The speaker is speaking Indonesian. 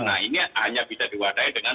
nah ini hanya bisa diwadai dengan